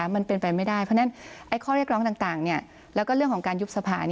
มันเป็นไปไม่ได้เพราะฉะนั้นข้อเรียกร้องต่างแล้วก็เรื่องของการยุบสภา